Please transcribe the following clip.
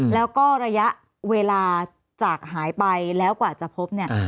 แล้วก็ระยะเวลาจากหายไปแล้วกว่าจะพบเนี่ย